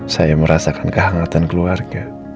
saya merasakan kehangatan keluarga